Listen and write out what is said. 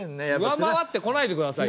上回ってこないでくださいよ。